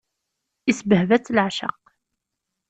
Isbehba-tt leɛceq.